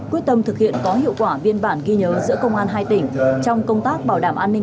quyết tâm thực hiện có hiệu quả biên bản ghi nhớ giữa công an hai tỉnh trong công tác bảo đảm an ninh